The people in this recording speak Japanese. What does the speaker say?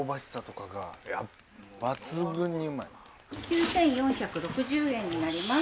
９，４６０円になります。